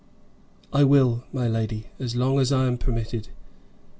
"I will, my lady as long as I am permitted."